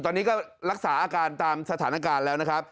ตอนนี้ก็รักษาอาการตามสถานการณ์แล้วนะครับ